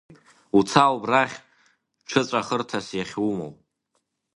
Уца убрахь, ҽыҵәахырҭас иахьумоу.